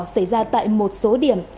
xảy ra tại một số điểm